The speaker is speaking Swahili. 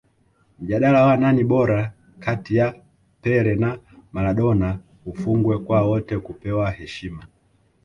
mjadala wa nani bora kati ya pele na maradona ufungwe kwa wote kupewa heshima